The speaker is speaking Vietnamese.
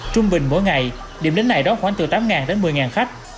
trung bình mỗi ngày điểm đến này đón khoảng từ tám đến một mươi khách